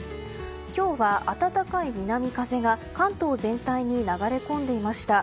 今日は、暖かい南風が関東全体に流れ込んでいました。